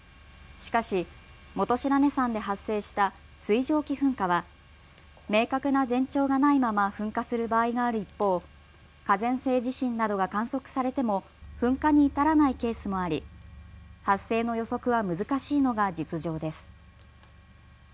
しかし本白根山で発生した水蒸気噴火は明確な前兆がないまま噴火する場合がある一方、火山性地震などが観測されても噴火に至らないケースもあり発生の予測は難しいのが実情です。